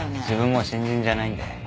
自分もう新人じゃないんで。